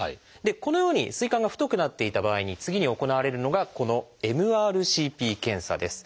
このように膵管が太くなっていた場合に次に行われるのがこの「ＭＲＣＰ検査」です。